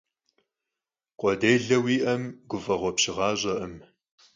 Khue dêle vui'eme guf'eğue pşiğaş'ekhım!